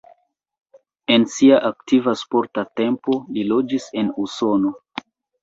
En sia aktiva sporta tempo li loĝis en Usono.